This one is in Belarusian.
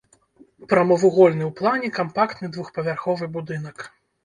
Прамавугольны ў плане кампактны двухпавярховы будынак.